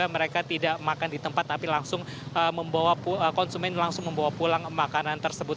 mereka tidak makan di tempat tapi langsung konsumen langsung membawa pulang makanan tersebut